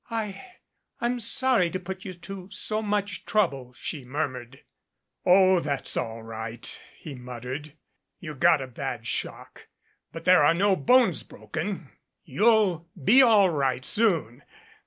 "I I'm sorry to put you to so much trouble," she murmured. "Oh, that's all right," he muttered. "You got a bad shock. But there are no bones broken. You'll be all right soon.